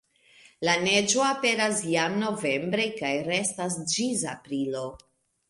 La neĝo aperas jam novembre kaj restas ĝis aprilo.